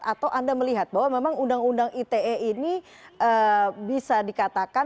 atau anda melihat bahwa memang undang undang ite ini bisa dikatakan